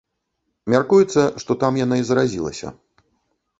Мяркуецца, што там яна і заразілася.